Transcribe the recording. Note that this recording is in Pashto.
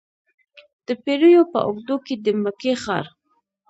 د پیړیو په اوږدو کې د مکې ښار.